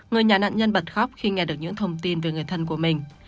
người nhà nạn nhân bật khóc khi nghe được những thông tin về người thân của mình